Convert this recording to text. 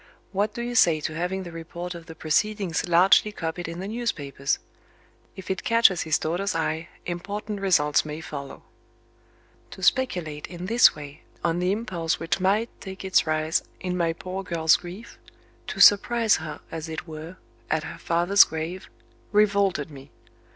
What do you say to having the report of the proceedings largely copied in the newspapers? If it catches his daughter's eye, important results may follow." To speculate in this way on the impulse which might take its rise in my poor girl's grief to surprise her, as it were, at her father's grave revolted me.